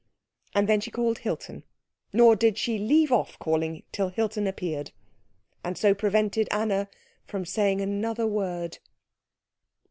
And then she called Hilton; nor did she leave off calling till Hilton appeared, and so prevented Anna from saying another word.